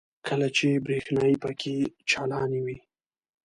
کله چې برېښنايي پکې چالانوي.